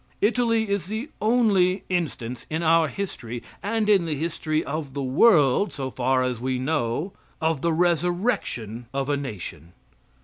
Italy is the only instance in our history and in the history of the world, so far as we know, of the resurrection of a nation.